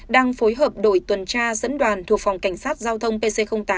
đang phối hợp đội tuần tra dẫn đoàn thuộc phòng cảnh sát giao thông pc tám